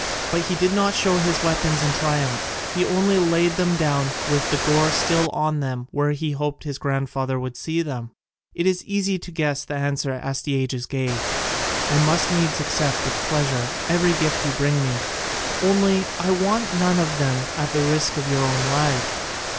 But he did not show his weapons in triumph: he only laid them down with the gore still on them where he hoped his grandfather would see them. It is easy to guess the answer Astyages gave: "I must needs accept with pleasure every gift you bring me, only I want none of them at the risk of your own life."